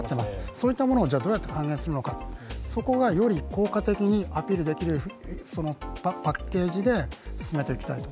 そういったものをどうやって還元するのかそこがより効果的にアピールできるパッケージで進めていきたいと。